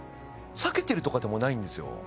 避けてるとかでもないんですよ。